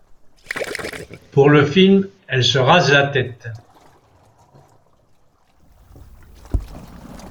Pour le film, elle se rase la tête.